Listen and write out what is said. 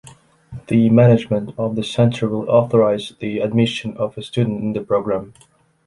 The management of the center will authorize the admission of a student in the program.